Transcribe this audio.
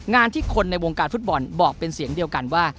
งานที่คนในวงการฟุตบอลบอกเป็นเสียงเดียวกันว่า